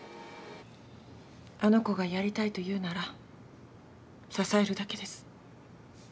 あの子がやりたいと言うなら支えるだけです。